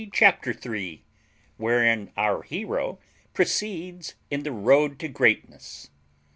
CHAPTER THREE WHEREIN OUR HERO PROCEEDS IN THE ROAD TO GREATNESS.